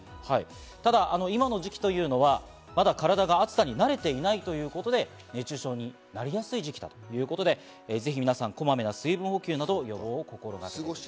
ただ今の時期というのは、体がまだ暑さに慣れていないということで、熱中症になりやすい時期だということで、ぜひ皆さん、こまめな水分補給などを心がけてください。